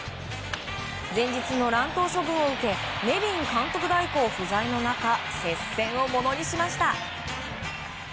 前日の乱闘処分を受けネビン監督代行不在の中接戦をものにしました。